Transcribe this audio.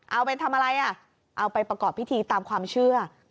เอาเป็นทำอะไรอ่ะเอาไปประกอบพิธีตามความเชื่อ